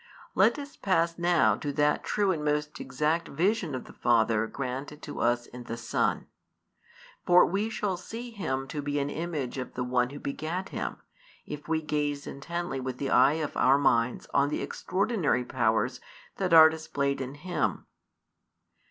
Let us pass now to that true and most exact vision of the Father granted to us in the Son. For we shall see Him to be an Image of the One Who begat Him, if we gaze intently with the eye of our minds on the extraordinary powers that are displayed in Him.